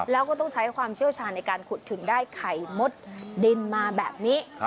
แล้วก็ต้องใช้ความเชี่ยวชาญในการขุดถึงได้ไข่มดดินมาแบบนี้